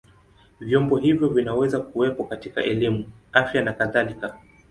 Vyombo hivyo vinaweza kuwepo katika elimu, afya na kadhalika.